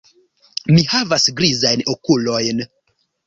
Mi havas grizajn okulojn.